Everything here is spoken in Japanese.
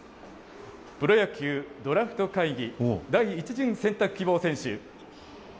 プロ野球ドラフト会議、第１陣選択希望選手。